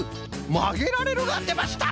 「まげられる」がでました！